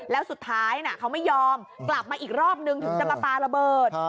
แล้วสุดท้ายเขาไม่ยอมกลับมาอีกรอบนึงถึงจะมาปลาระเบิด